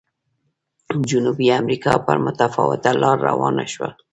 جنوبي امریکا پر متفاوته لار روانه شوه.